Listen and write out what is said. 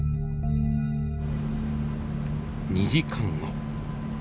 ２時間後。